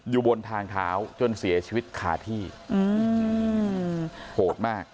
อยู่บนทางเท้าจนเสียชีวิตคาที่โหดมาก